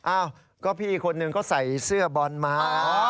อ้าวก็พี่คนหนึ่งก็ใส่เสื้อบอลมา